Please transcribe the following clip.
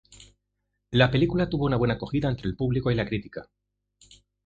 La película tuvo una buena acogida entre el público y la crítica.